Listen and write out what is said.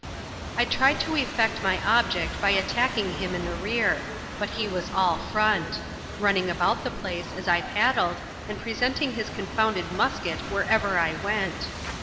I tried to effect my object by attacking him in the rear— but he was all front ; running about the place as I paddled, and presenting his confounded musket wherever I went.